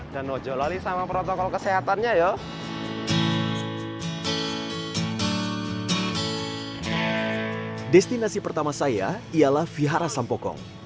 dan nojolali sama protokol kesehatannya yo destinasi pertama saya ialah vihara sampokong